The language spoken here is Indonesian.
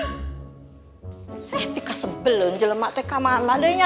eh pika sebelun jelamate kamar ladenya